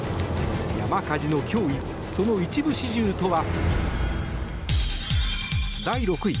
山火事の脅威その一部始終とは。